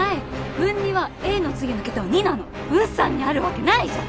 文２はＡの次の桁は２なの文３にあるわけないじゃん！